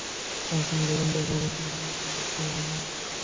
এখন বলুন দেখি আমার সম্পর্কে আপনার কী অনুমান?